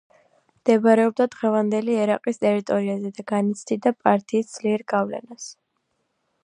მდებარეობდა დღევანდელი ერაყის ტერიტორიაზე და განიცდიდა პართიის ძლიერ გავლენას.